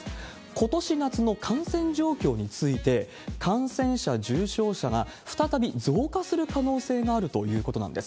ことし夏の感染状況について、感染者、重症者が再び増加する可能性があるということなんです。